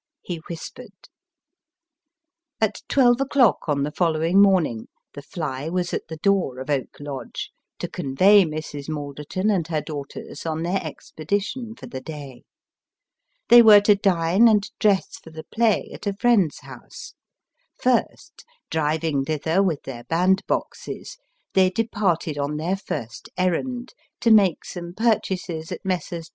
" he whispered. At twelve o'clock on the following morning, the " fly " was at the door of Oak Lodge, to convey Mrs. Malderton and her daughters on their expedition for the day. They were to dine and dress for the play at a friend's house. First, driving thither with their band boxes, they departed on their first errand to make some purchases at Messrs.